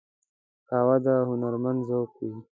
قهوه د هنرمند ذوق وي